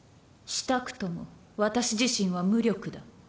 したくとも私自身は無力だ。